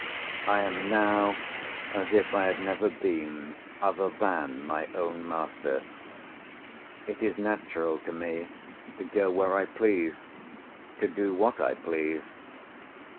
I am now as if I had never been other than my own master. It is natural to me to go where I please, to do what I please.